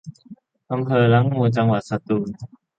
อำเภอละงู จังหวัดสตูล